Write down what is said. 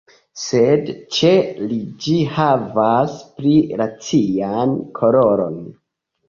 Sed ĉe li ĝi havas pli racian koloron.